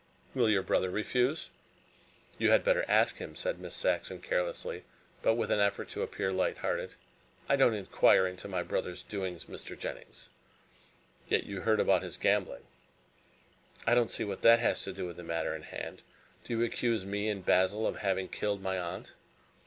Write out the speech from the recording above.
"Will your brother refuse?" "You had better ask him," said Miss Saxon carelessly, but with an effort to appear light hearted. "I don't inquire into my brother's doings, Mr. Jennings." "Yet you heard about his gambling." "I don't see what that has to do with the matter in hand. Do you accuse me and Basil of having killed my aunt?"